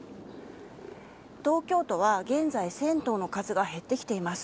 東京都は現在、銭湯の数が減ってきています。